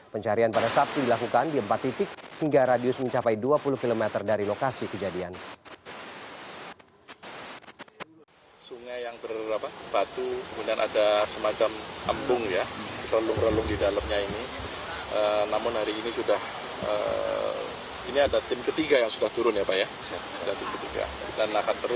pencarian pada sabtu dilakukan di empat titik hingga radius mencapai dua puluh km dari lokasi kejadian